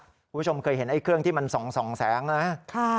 คุณผู้ชมเคยเห็นไอ้เครื่องที่มันส่องแสงนะ